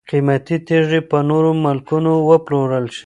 قیمتي تیږي په نورو ملکونو وپلورل شي.